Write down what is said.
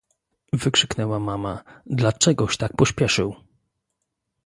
"wykrzyknęła mama... Dla czegoś tak pośpieszył?..."